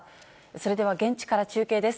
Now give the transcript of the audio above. それでは現地から中継です。